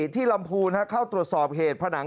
ลำพูนเข้าตรวจสอบเหตุผนัง